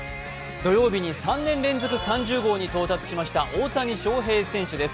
土曜日に３年連続３０号に到達しました大谷翔平選手です。